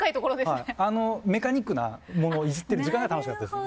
メカニックなものをいじってる時間が楽しかったです。